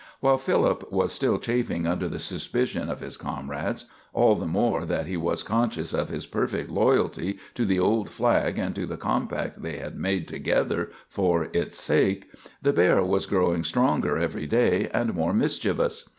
While Philip was still chafing under the suspicions of his comrades, all the more that he was conscious of his perfect loyalty to the old flag and to the compact they had made together for its sake, the bear was growing stronger every day and more mischievous.